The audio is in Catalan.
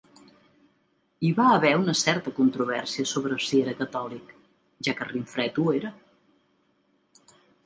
Hi va haver una certa controvèrsia sobre si era catòlic, ja que Rinfret ho era.